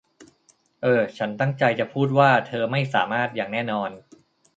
เออ ฉันตั้งใจจะพูดว่าเธอไม่สามารถอย่างแน่นอน